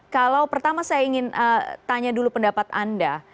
kalau pertama saya ingin tanya dulu pendapat anda